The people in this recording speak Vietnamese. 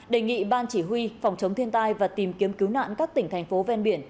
đề nghị ban chỉ huy phòng chống thiên tai và tìm kiếm cứu nạn các tỉnh thành phố ven biển